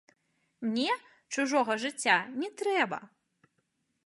Мне чужога жыцця не трэба.